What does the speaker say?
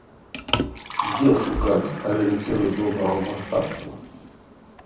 Дзе шукаць арыенціры добрага мастацтва?